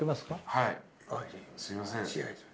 はいすいません。